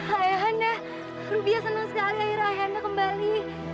ayahanda rubia senang sekali akhir akhirnya kembali